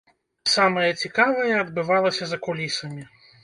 Самае цікавае адбывалася за кулісамі.